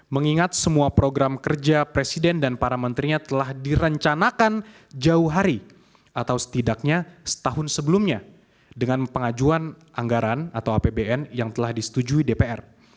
mengingat semua program kerja presiden dan para menterinya telah direncanakan jauh hari atau setidaknya setahun sebelumnya dengan pengajuan anggaran atau apbn yang telah disetujui dpr